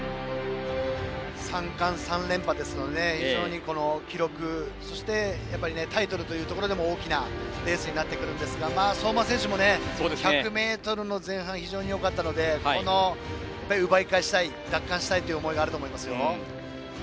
３冠３連覇ですので記録、タイトルというところでも大きなレースになってきますが相馬選手も１００ｍの前半非常によかったので奪い返したい、奪還したいという思いがあると思いますよ。